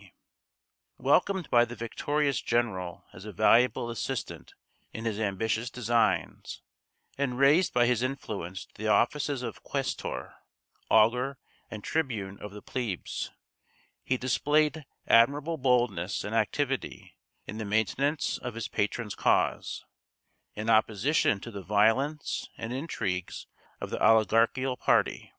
C.). Welcomed by the victorious general as a valuable assistant in his ambitious designs, and raised by his influence to the offices of quæstor, augur, and tribune of the plebes, he displayed admirable boldness and activity in the maintenance of his patron's cause, in opposition to the violence and intrigues of the oligarchical party.